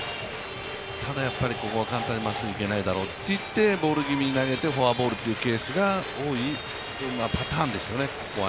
ただ、ここは簡単にまっすぐいけないだろうと思って、ボール系に投げてフォアボールというケースが多いパターンですよね、ここは。